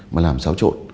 mà làm xáo trộn